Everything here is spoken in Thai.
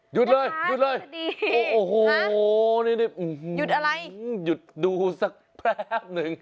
หยุดเลยหยุดเลยโอ้โหโหนี่นี่หืมหืมหืมหืมอยุดดูสักแป๊บนึง